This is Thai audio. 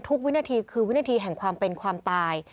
วินาทีคือวินาทีแห่งความเป็นความตาย